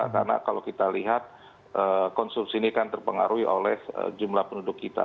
karena kalau kita lihat konsumsi ini kan terpengaruhi oleh jumlah penduduk kita